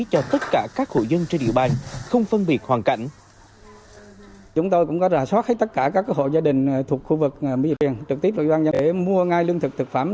cho tất cả các hộ dân trên địa bàn không phân biệt hoàn cảnh